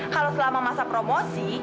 kalau selama masa promosi